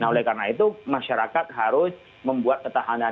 nah oleh karena itu masyarakat harus membuat ketahanan